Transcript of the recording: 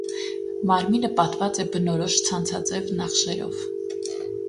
Մարմինը պատված է բնորոշ ցանցաձև նախշերով։